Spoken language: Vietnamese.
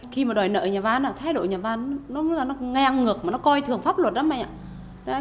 khi mà đòi nợ nhà văn thái độ nhà văn nó ngang ngược mà nó coi thường pháp luật lắm